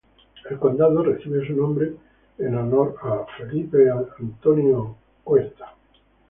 El condado recibe su nombre en honor a John Edgar.